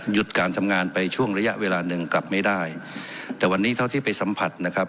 การทำงานไปช่วงระยะเวลาหนึ่งกลับไม่ได้แต่วันนี้เท่าที่ไปสัมผัสนะครับ